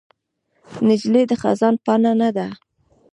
نجلۍ د خزان پاڼه نه ده.